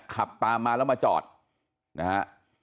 ขับตามมาแล้วมาจอดนะฮะ